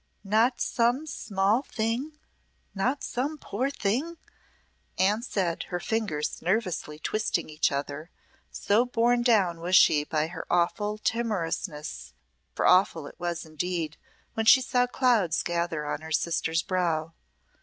"Not some small thing not some poor thing?" Anne said, her fingers nervously twisting each other, so borne down was she by her awful timorousness, for awful it was indeed when she saw clouds gather on her sister's brow.